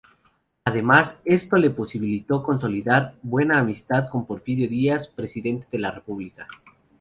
Además, esto le posibilitó consolidar buena amistad con Porfirio Díaz, presidente de la república.